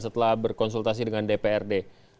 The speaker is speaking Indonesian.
setelah berkonsultasi dengan dprd